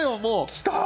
来た！